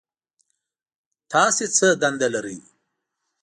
تاسو څه دنده لرئ؟